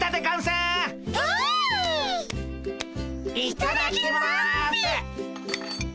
いただきます。